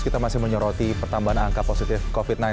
kita masih menyoroti pertambahan angka positif covid sembilan belas